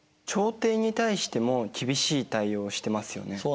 朝廷に対しても厳しい対応をしてますよね。